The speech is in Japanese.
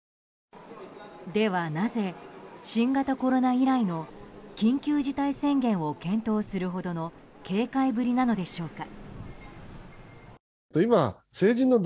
ではなぜ、新型コロナ以来の緊急事態宣言を検討するほどの警戒ぶりなのでしょうか。